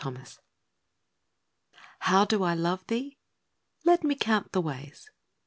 T_T OW do I love thee ? Let me count the ways.